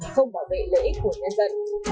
không bảo vệ lợi ích của nhân dân